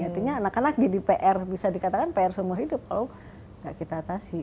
artinya anak anak jadi pr bisa dikatakan pr seumur hidup kalau nggak kita atasi